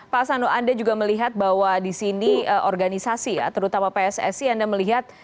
pak asando anda juga melihat bahwa disini organisasi ya terutama pssc anda melihat